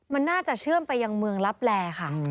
มันน่าจะเชื่อมไปยังเมืองลับแลค่ะ